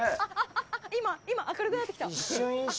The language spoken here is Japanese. あ、今明るくなってきた！